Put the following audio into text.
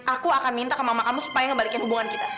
aku akan minta ke mama kamu supaya ngebalikin hubungan kita